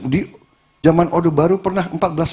di zaman orde baru pernah empat belas